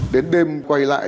đến đêm quay lại